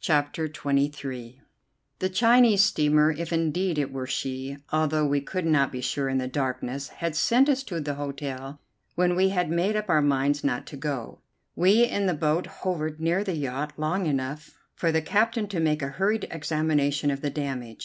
CHAPTER XXIII The Chinese steamer, if indeed it were she, although we could not be sure in the darkness, had sent us to the hotel when we had made up our minds not to go. We in the boat hovered near the yacht long enough for the captain to make a hurried examination of the damage.